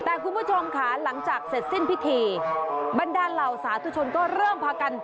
แต่คุณผู้ชมค่ะหลังจากเสร็จสิ้นพิธีบรรดาเหล่าสาธุชนก็เริ่มพากัน